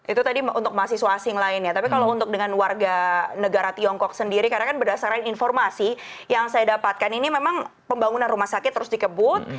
itu tadi untuk mahasiswa asing lain ya tapi kalau untuk dengan warga negara tiongkok sendiri karena kan berdasarkan informasi yang saya dapatkan ini memang pembangunan rumah sakit terus dikebut